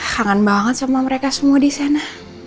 kangen banget sama mereka semua di sana